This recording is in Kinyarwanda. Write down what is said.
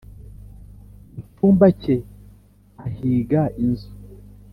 mucyumba cye ahiga inzu